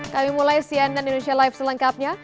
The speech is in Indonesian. kami mulai sian dan indonesia live selengkapnya